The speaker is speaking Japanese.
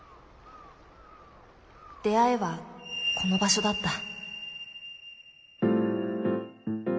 出会いはこの場所だった。